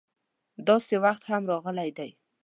داسې وخت هم راغلی دی.